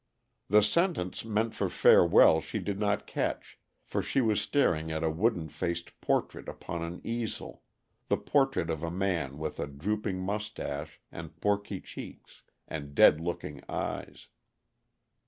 The sentence meant for farewell she did not catch, for she was staring at a wooden faced portrait upon an easel, the portrait of a man with a drooping mustache, and porky cheeks, and dead looking eyes.